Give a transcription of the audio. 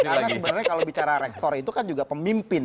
karena sebenarnya kalau bicara rektor itu kan juga pemimpin